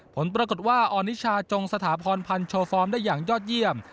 ผลปรากฏว่าออนิชาจงสถาพรพันธ์โชว์ฟอร์มได้อย่างยอดเยี่ยม